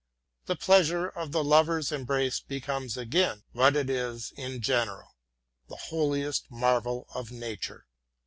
The pleasure of the lover's embrace becomes again what it is in general the holiest marvel of Nature.